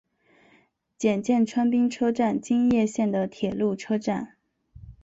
检见川滨车站京叶线的铁路车站。